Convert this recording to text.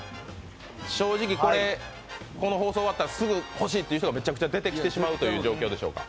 正直、これ、この放送終わったらすぐ欲しいという人が出てきてしまう状況でしょうか？